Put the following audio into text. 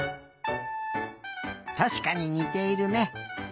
たしかににているね。